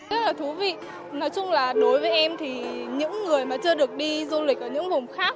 rất là thú vị nói chung là đối với em thì những người mà chưa được đi du lịch ở những vùng khác